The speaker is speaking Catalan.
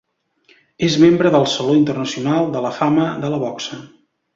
És membre del Saló internacional de la fama de la boxa.